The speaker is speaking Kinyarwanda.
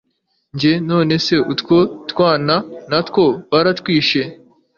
njye nonese utwo twana natwo baratwishe!